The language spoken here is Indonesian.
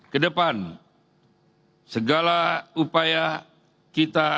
kedepan segala upaya kita